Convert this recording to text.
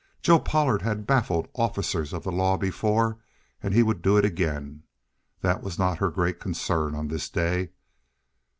Joe Pollard had baffled officers of the law before, and he would do it again. That was not her great concern on this day.